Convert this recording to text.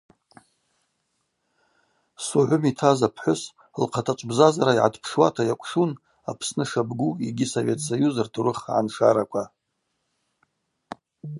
Согъвым йтаз апхӏвыс лхъатачӏв бзазара йгӏатпшуата йакӏвшун Апсны шабгу йгьи Совет Союз ртурых гӏаншараква.